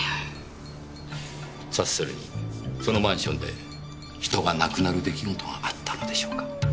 察するにそのマンションで人が亡くなる出来事があったのでしょうか？